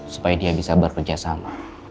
supaya dia bisa bekerja sama